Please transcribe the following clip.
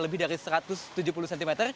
lebih dari satu ratus tujuh puluh cm